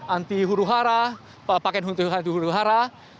anti huru hara pakaian untuk anti huru hara